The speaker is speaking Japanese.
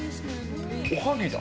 おはぎだ。